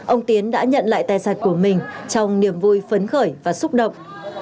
ông tiến đã nhận lại tài sản của mình trong niềm vui phấn khởi và xúc động